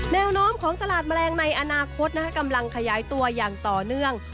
แนวโน้มของตลาดแมลงในอนาคตกำลังขยายตัวอย่างต่อเนื่อง